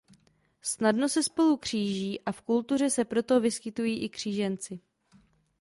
Snadno se spolu kříží a v kultuře se proto vyskytují i kříženci.